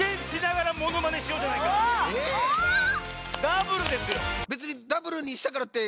⁉ダブルですよ。